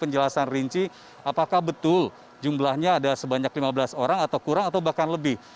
mereka juga tidak memberi penjelasan rinci apakah betul jumlahnya ada sebanyak lima belas orang atau kurang atau bahkan lebih